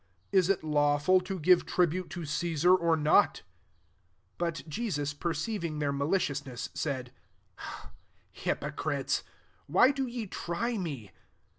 Is it lawful to give tri bute to Cesar, or not ?" 18 But lesus perceiving their mali ciousness, said, <' Hypocrites! Why do ye try me